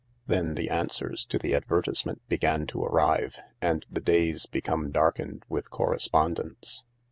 Then the answers to the advertisement began to arrive, and the days become darkened with correspondence.